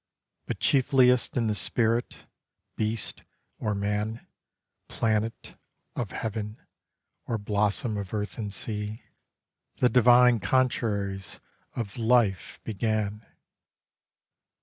But chiefliest in the spirit (beast or man, Planet of heaven or blossom of earth or sea) The divine contraries of life began.